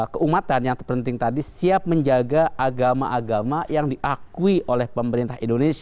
keumatan yang terpenting tadi siap menjaga agama agama yang diakui oleh pemerintah indonesia